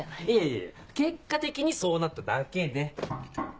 いやいや結果的にそうなっただけで。